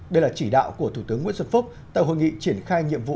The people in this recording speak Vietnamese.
đây là chỉ đạo của thủ tướng nguyễn xuân phúc tại hội nghị triển khai nhiệm vụ